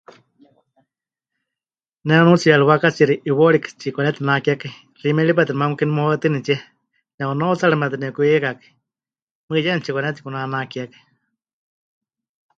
Ne nunuutsiyari waakatsixi 'iwaurikaya tsipɨkanetinakekai, xiimeri pai tɨ nemanukukení muhaɨtɨnitsie, ne'unautsarɨmetɨ nepɨkuyeikakai, mɨɨkɨ yeme tsipɨkanetikunanakekai.